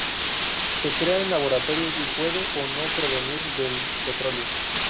Se crea en laboratorio y puede o no provenir del petróleo.